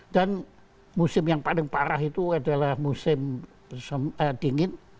dan musim yang paling parah itu adalah musim dingin